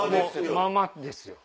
ままですよ。